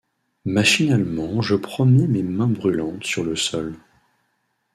Machinalement je promenai mes mains brûlantes sur le sol.